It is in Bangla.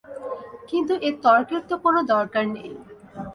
কিন্তু এ তর্কের তো কোনো দরকার নেই।